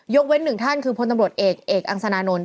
เว้นหนึ่งท่านคือพลตำรวจเอกเอกอังสนานนท